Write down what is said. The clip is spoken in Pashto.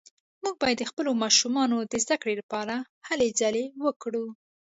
موږ باید د خپلو ماشومانو د زده کړې لپاره هلې ځلې وکړو